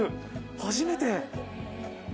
初めて。